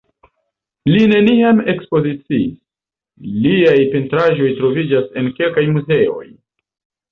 Li neniam ekspoziciis, liaj pentraĵoj troviĝas en kelkaj muzeoj.